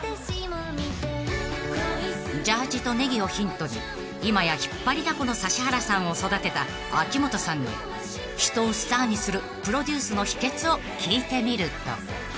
［ジャージとネギをヒントに今や引っ張りだこの指原さんを育てた秋元さんに人をスターにするプロデュースの秘訣を聞いてみると］